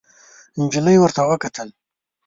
نجلۍ ورته وکتل.